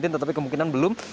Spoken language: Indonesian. tetapi kemungkinan belum